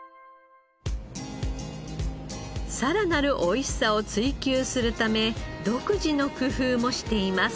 さらなるおいしさを追求するため独自の工夫もしています。